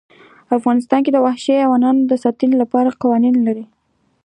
افغانستان د وحشي حیواناتو د ساتنې لپاره قوانین لري.